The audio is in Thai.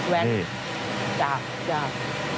แวนจากจาก